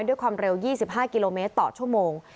ด้วยความเร็ว๒๕กิโลเมตรต่อชั่วโมง